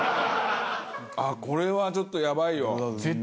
あっこれはちょっとやばいよ。